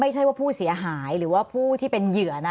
ไม่ใช่ว่าผู้เสียหายหรือว่าผู้ที่เป็นเหยื่อนะ